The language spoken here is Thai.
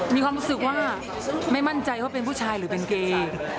มีความรู้สึกว่าไม่มั่นใจว่าเป็นผู้ชายหรือเป็นเกย์